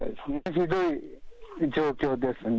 ひどい状況ですね。